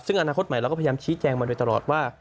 ซึ่งอนาคตใหม่เราก็พยายามชี้แจงมาโดยตลอดว่า